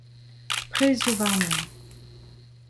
Prez zo warnon.